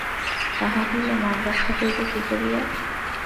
তাহা হইলে মান রক্ষা হইবে কী করিয়া?